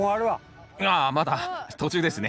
ああまだ途中ですね。